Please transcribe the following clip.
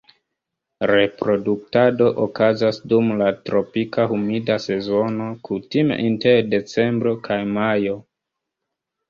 Reproduktado okazas dum la tropika humida sezono kutime inter decembro kaj majo.